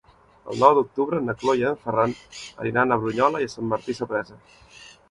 El nou d'octubre na Cloè i en Ferran aniran a Brunyola i Sant Martí Sapresa.